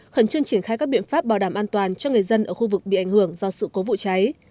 khẩn trương triển khai các biện pháp bảo đảm an toàn cho người dân ở khu vực bị ảnh hưởng do sự cố vụ cháy